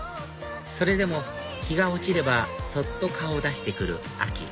それでも日が落ちればそっと顔を出してくる秋